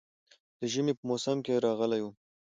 د ژمي په موسم کې راغلی وم.